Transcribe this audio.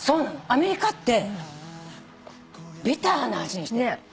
アメリカってビターな味にしてんの。